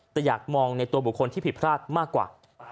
แต่อยากมองในตัวบุคคลที่ผิดพลาดมากกว่า